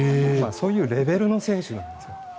そういうレベルの選手なんですよ。